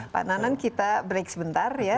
pak nanan kita break sebentar ya